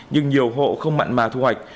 nhưng nhiều hộ không mặn mà thu hoạch